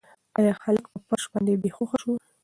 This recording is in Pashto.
ایا هلک په فرش باندې بې هوښه شو؟